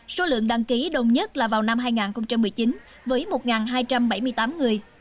số lượng đăng ký đông nhất là vào năm hai nghìn một mươi chín với một hai trăm bảy mươi tám người